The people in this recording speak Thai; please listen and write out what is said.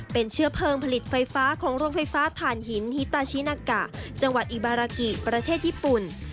เป็นเชื้อเพลิงผลิตไฟฟ้าของโรงไฟฟ้าฐานหินฮิตาชินากะจังหวัดอิบารากิประเทศญี่ปุ่น